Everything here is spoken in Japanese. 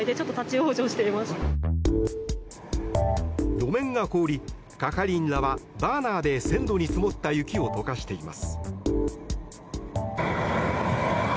路面が凍り、係員らはバーナーで線路に積もった雪を解かしています。